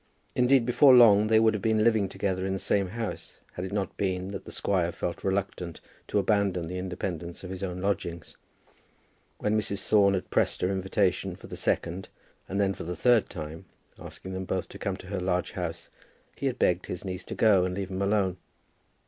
Indeed, before long they would have been living together in the same house had it not been that the squire had felt reluctant to abandon the independence of his own lodgings. When Mrs. Thorne had pressed her invitation for the second, and then for the third time, asking them both to come to her large house, he had begged his niece to go and leave him alone.